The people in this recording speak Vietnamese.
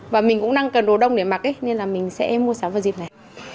và mình cũng đang cần đồ đông để mặc nên là mình sẽ mua sắm vào dịp này